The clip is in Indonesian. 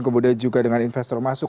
kemudian juga dengan investor masuk